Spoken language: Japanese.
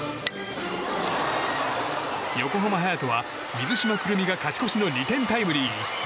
横浜隼人は水島来望が勝ち越しの２点タイムリー。